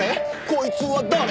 こいつは誰？」